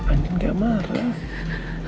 andi gak marah